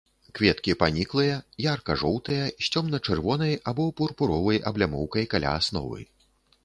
Кветкі паніклыя, ярка-жоўтыя, з цёмна-чырвонай або пурпуровай аблямоўкай каля асновы.